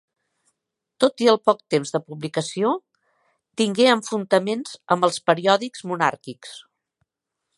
Tot i el poc temps de publicació, tingué enfrontaments amb els periòdics monàrquics.